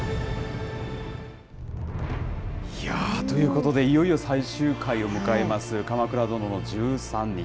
いやー、ということで、いよいよ最終回を迎えます、鎌倉殿の１３人。